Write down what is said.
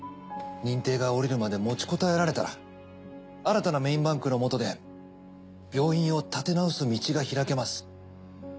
認定が下りるまで持ちこたえられたら新たなメインバンクのもとで病院を立て直す道がひらけます。